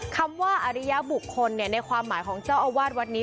คำว่าอริยบุคคลในความหมายของเจ้าอาวาสวัดนี้